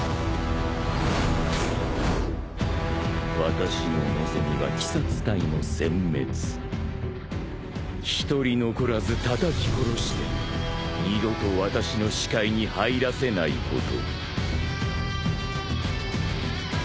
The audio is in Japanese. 「私の望みは鬼殺隊の殲滅」「一人残らずたたき殺して二度と私の視界に入らせないこと」